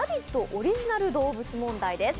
オリジナル動物問題です。